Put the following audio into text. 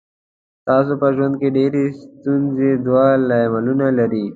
ستاسو په ژوند کې ډېرې ستونزې دوه لاملونه لري.